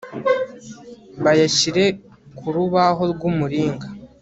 bayashyire ku rubaho rw'umuringa